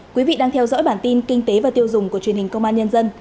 quý vị đang theo dõi bản tin kinh tế và tiêu dùng của truyền hình công an nhân dân